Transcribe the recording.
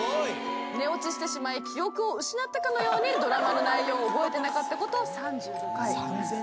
寝落ちしてしまい記憶を失ったかのようにドラマの内容を覚えてなかったこと３５回。